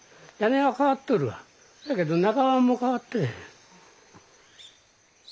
せやけど中何も変わってへん。